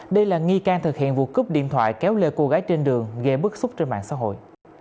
đây là nghi can thực hiện vụ cướp điện thoại kéo lê cô gái trên đường gây bức xúc trên mạng xã hội